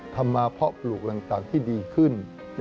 ทำมาเพาะปลูกต่างที่ดีขึ้น